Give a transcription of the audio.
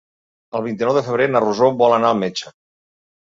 El vint-i-nou de febrer na Rosó vol anar al metge.